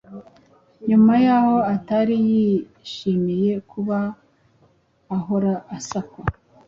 nyuma y’aho atari yishimiye kuba ahora asakwa